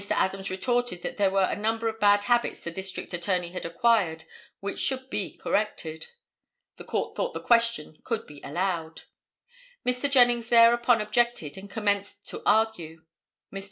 Adams retorted that there were a number of bad habits the District Attorney had acquired which should be corrected. The Court thought the question could be allowed. Mr. Jennings thereupon objected and commenced to argue. Mr.